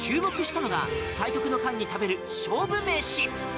そこで注目したのが対局の間に食べる勝負飯。